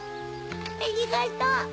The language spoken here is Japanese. ありがとう。